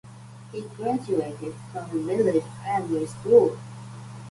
He graduated from the village primary school.